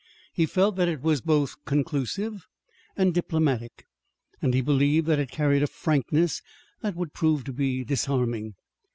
He felt that it was both conclusive and diplomatic; and he believed that it carried a frankness that would prove to be disarming.